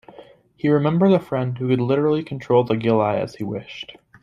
He remembers a friend who could literally control the gilli as he wished.